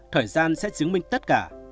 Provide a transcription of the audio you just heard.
thời gian sẽ chứng minh tất cả